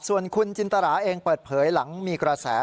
ส่วนคุณจินตราเองเปิดเผยหลังมีกระแส